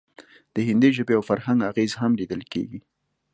د هندي ژبې او فرهنګ اغیز هم لیدل کیږي